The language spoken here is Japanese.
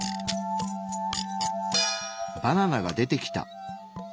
バナナが出てきた。